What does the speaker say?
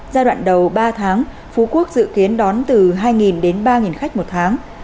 giai đoạn đầu ba tháng phú quốc dự kiến đón từ hai đến ba khách một tháng